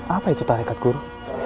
apa itu tarikat guru